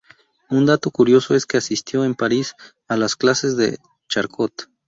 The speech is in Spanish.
Un dato curioso es que asistió en París a las clases de Charcot.